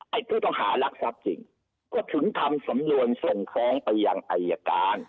ผู้ต้องหารักทรัพย์จริงก็ถึงทำสำนวนส่งฟ้องไปยังอายการ